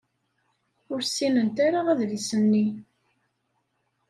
Ur ssinent ara adlis-nni.